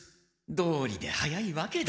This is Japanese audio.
どうりで早いわけだ。